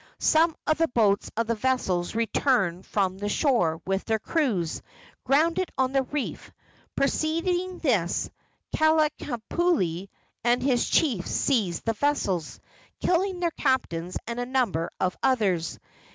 Some of the boats of the vessels, returning from the shore with their crews, grounded on the reef. Perceiving this, Kalanikupule and his chiefs seized the vessels, killing their captains and a number of others.